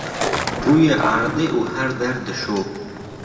rûyê erdê û her der dişo.